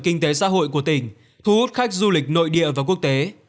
kinh tế xã hội của tỉnh thu hút khách du lịch nội địa và quốc tế